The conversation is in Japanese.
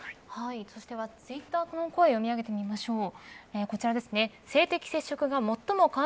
それではツイッターの声読み上げてみましょう。